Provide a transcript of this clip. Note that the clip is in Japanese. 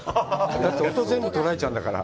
だって、音、全部、取られちゃうんだから。